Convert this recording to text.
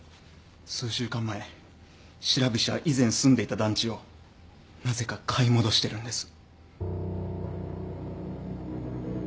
数週間前白菱は以前住んでいた団地をなぜか買い戻してるんです。